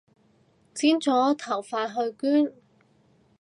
剪咗頭髮去捐